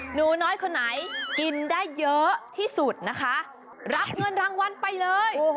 หนูน้อยคนไหนกินได้เยอะที่สุดนะคะรับเงินรางวัลไปเลย